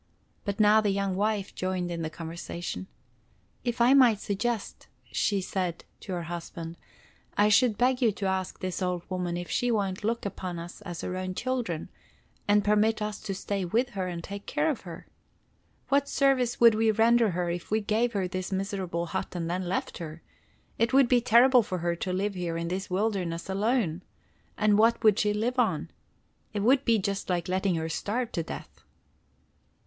But now the young wife joined in the conversation. "If I might suggest," said she to her husband, "I should beg you to ask this old woman if she won't look upon us as her own children, and permit us to stay with her and take care of her. What service would we render her if we gave her this miserable hut and then left her? It would be terrible for her to live here in this wilderness alone! And what would she live on? It would be just like letting her starve to death."